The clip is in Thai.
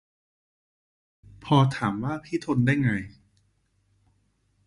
พอถามว่าพี่ทนได้ไง